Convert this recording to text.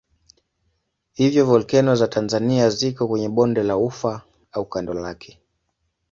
Hivyo volkeno za Tanzania ziko kwenye bonde la Ufa au kando lake.